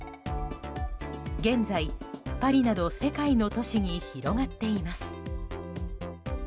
現在、パリなど世界の都市に広がっています。